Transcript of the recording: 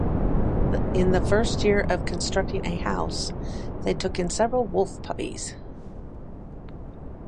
In the first year of constructing a house, they took in several wolf puppies.